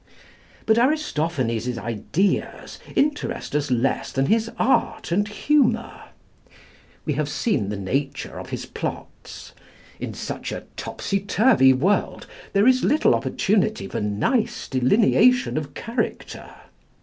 But Aristophanes's ideas interest us less than his art and humor. We have seen the nature of his plots. In such a topsy turvy world there is little opportunity for nice delineation of character.